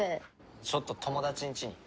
ちょっと友達んちに。